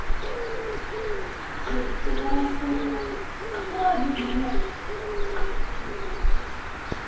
ずっと笑ってるホラーですね。